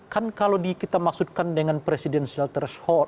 kan kalau kita maksudkan dengan presidensial threshold